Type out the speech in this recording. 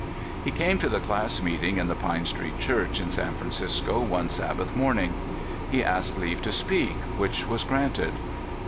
He came to the class meeting in the Pine Street Church, in San Francisco, one Sabbath morning. He ask leave to speak, which was granted.